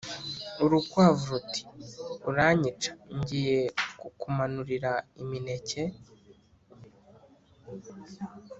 urukwavu ruti:" uranyica ngiye kukumanurira imineke